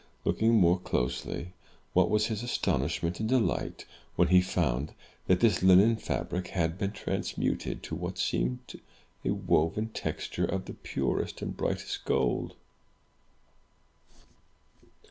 Looking more closely, what was his astonishment and delight, when he found that this linen fabric had been transmuted to what seemed a woven texture of the purest and brightest gold!